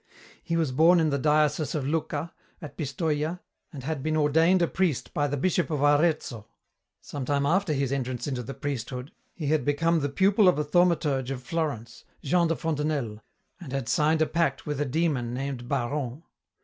He was born in the diocese of Lucca, at Pistoia, and had been ordained a priest by the Bishop of Arezzo. Some time after his entrance into the priesthood, he had become the pupil of a thaumaturge of Florence, Jean de Fontenelle, and had signed a pact with a demon named Barron.